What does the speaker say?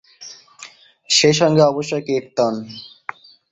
সেইসঙ্গে অবশ্যই কীর্তন।